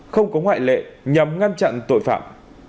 không có ngoại lệ nhằm ngăn chặn tội phạm